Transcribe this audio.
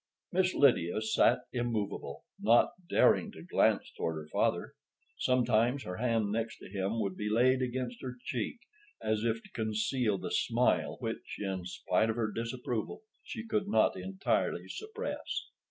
Miss Lydia sat immovable, not daring to glance toward her father. Sometimes her hand next to him would be laid against her cheek, as if to conceal the smile which, in spite of her disapproval, she could not entirely suppress.